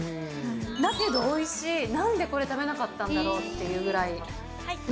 だけどおいしい、なんでこれ食べなかったんだろうっていうぐらいの。